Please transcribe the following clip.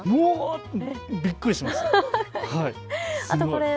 びっくりしますよ。